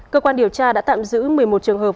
cơ quan điều tra đã tạm giữ một mươi một trường hợp